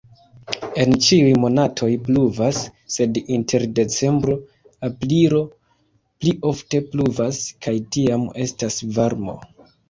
En ĉiuj monatoj pluvas, sed inter decembro-aprilo pli ofte pluvas kaj tiam estas varmo.